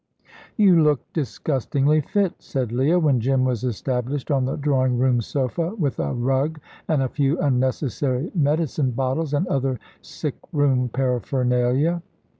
"You look disgustingly fit," said Leah, when Jim was established on the drawing room sofa, with a rug and a few unnecessary medicine bottles, and other sick room paraphernalia.